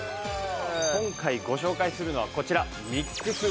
今回ご紹介するのはこちら。